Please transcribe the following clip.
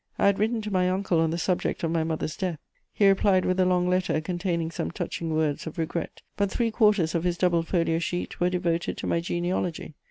I had written to my uncle on the subject of my mother's death: he replied with a long letter containing some touching words of regret; but three quarters of his double folio sheet were devoted to my genealogy.